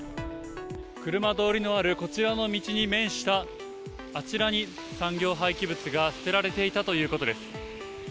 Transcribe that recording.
車通りのあるこちらの道に面したあちらに、産業廃棄物が捨てられていたということです。